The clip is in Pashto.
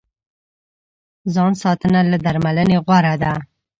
ځان ساتنه له درملنې غوره ده.